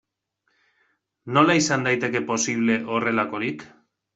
Nola izan liteke posible horrelakorik?